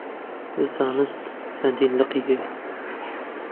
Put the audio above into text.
زانست چەندین لقی هەیە.